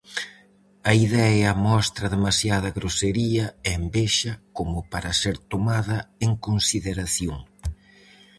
A idea mostra demasiada grosería e envexa como para ser tomada en consideración.